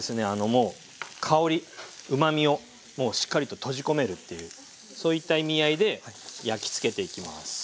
もう香りうまみをしっかりと閉じ込めるっていうそういった意味合いで焼きつけていきます。